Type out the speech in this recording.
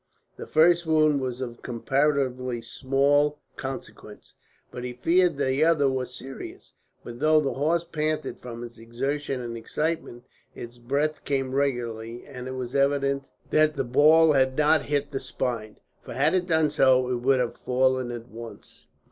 The first wound was of comparatively small consequence, but he feared that the other was serious; but though the horse panted from its exertion and excitement, its breath came regularly; and it was evident that the ball had not hit the spine, for had it done so it would have fallen at once.